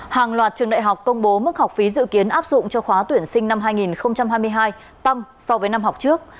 hàng loạt trường đại học công bố mức học phí dự kiến áp dụng cho khóa tuyển sinh năm hai nghìn hai mươi hai tăng so với năm học trước